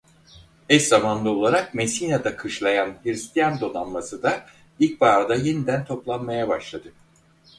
Eşzamanlı olarak Messina'da kışlayan Hristiyan donanması da ilkbaharda yeniden toplanmaya başladı.